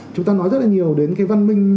chúng ta nói rất là nhiều đến cái văn minh